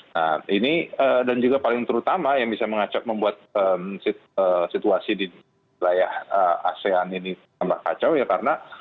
nah ini dan juga paling terutama yang bisa mengacak membuat situasi di wilayah asean ini tambah kacau ya karena